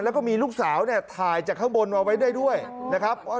แล้วก็มีลูกสาวเนี่ยถ่ายจากข้างบนมาไว้ได้ด้วยนะครับ